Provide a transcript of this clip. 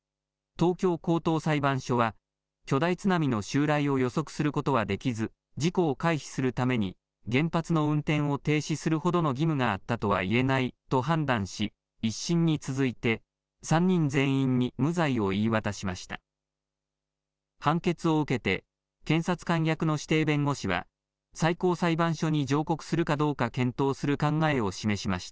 東京高等裁判所は、巨大津波の襲来を予測することはできず、事故を回避するために、原発の運転を停止するほどの義務があったとはいえないと判断し、１審に続いて３人全員に無罪を言い渡しました。